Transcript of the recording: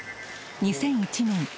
［２００１年